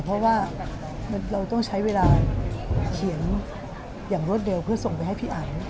เพราะว่าเราต้องใช้เวลาเขียนอย่างรวดเร็วเพื่อส่งไปให้พี่อัน